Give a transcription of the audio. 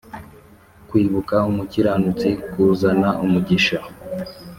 Kwibuka umukiranutsi kuzana umugisha